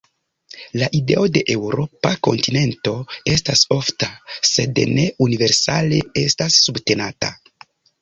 La ideo de eŭropa "kontinento" estas ofta, sed ne universale estas subtenata.